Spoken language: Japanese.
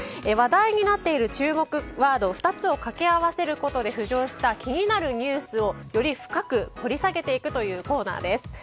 話題になっている注目ワード２つをかけ合わせることで浮上した、気になるニュースをより深く掘り下げていくコーナーです。